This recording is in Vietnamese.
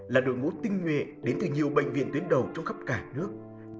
là đội ngũ tinh nhuệ đến từ nhiều bệnh viện tuyến đầu trong khắp cả nước